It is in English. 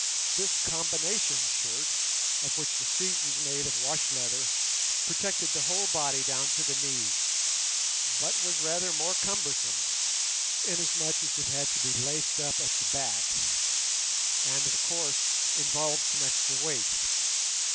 This combination shirt, of which the seat was made of wash leather, protected the whole body down to the knees, but was rather more cumbersome, inasmuch as it had to be laced up at the back and, of course, involved some extra weight.